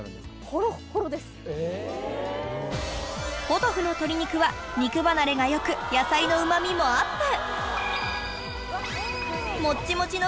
ポトフの鶏肉は肉離れが良く野菜のうま味もアップ！